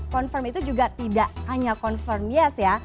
confirm itu juga tidak hanya confirm yes ya